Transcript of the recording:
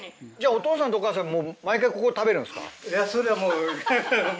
お父さんとお母さん毎回ここ食べるんですか？